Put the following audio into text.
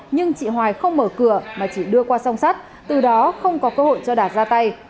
nhưng chị hoài không mở cửa mà chỉ đưa qua song sắt từ đó không có cơ hội cho đạt ra tay